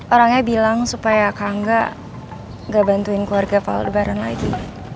orangnya bilang supaya kak angga gak bantuin keluarga pak aldebaran lagi